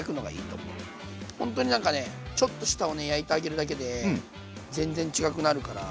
ほんとになんかねちょっと下をね焼いてあげるだけで全然違くなるから。